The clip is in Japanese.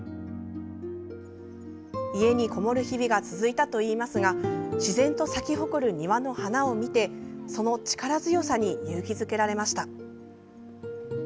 家にこもる日々が続いたといいますが自然と咲き誇る庭の花を見てその力強さに勇気づけられました。